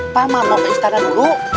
pak mama mau ke istana dulu